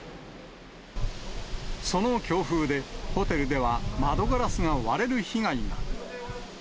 その強風でホテルでは窓ガラスが割れる被害が。